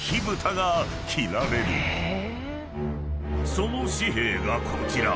［その紙幣がこちら］